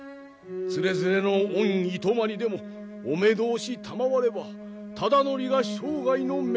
つれづれの御いとまにでもお目通したまわれば忠度が生涯の面目。